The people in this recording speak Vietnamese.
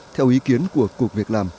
theo ý kiến của cuộc việc làm